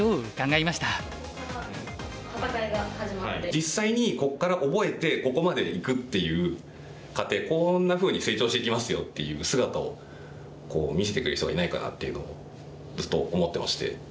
実際にここから覚えてここまでいくっていう過程こんなふうに成長していきますよっていう姿を見せてくれる人がいないかなっていうのをずっと思ってまして。